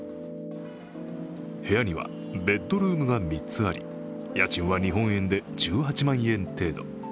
部屋にはベッドルームが３つあり、家賃は日本円で１８万円程度。